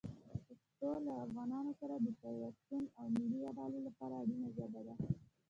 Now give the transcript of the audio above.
پښتو له افغانانو سره د پیوستون او ملي یووالي لپاره اړینه ژبه ده.